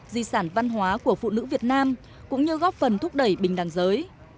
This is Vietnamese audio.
di sản văn hóa của phụ nữ việt nam cũng như góp phần thúc đẩy bình đẳng giới